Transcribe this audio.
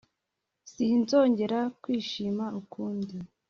Sinzongera kwishima ukundi